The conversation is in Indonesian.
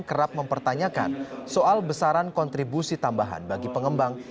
kerap mempertanyakan soal besaran kontribusi tambahan bagi pengembang